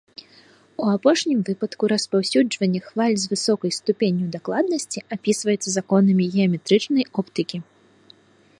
У апошнім выпадку распаўсюджванне хваль з высокай ступенню дакладнасці апісваецца законамі геаметрычнай оптыкі.